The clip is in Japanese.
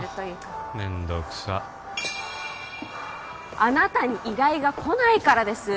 めんどくさっあなたに依頼が来ないからです